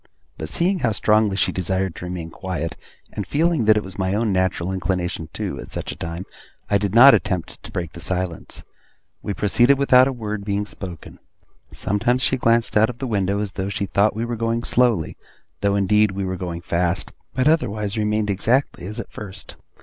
But seeing how strongly she desired to remain quiet, and feeling that it was my own natural inclination too, at such a time, I did not attempt to break the silence. We proceeded without a word being spoken. Sometimes she glanced out of the window, as though she thought we were going slowly, though indeed we were going fast; but otherwise remained exactly as at first.